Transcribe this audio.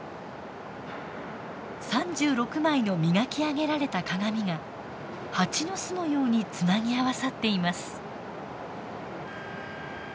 ３６枚の磨き上げられた鏡が蜂の巣のようにつなぎ合わさっています。